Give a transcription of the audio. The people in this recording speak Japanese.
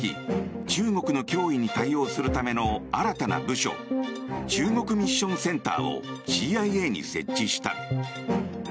中国の脅威に対応するための新たな部署中国ミッションセンターをＣＩＡに設置した。